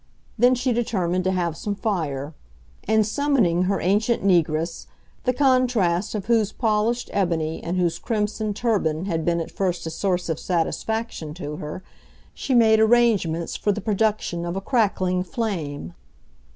Then she determined to have some fire; and summoning her ancient negress, the contrast of whose polished ebony and whose crimson turban had been at first a source of satisfaction to her, she made arrangements for the production of a crackling flame.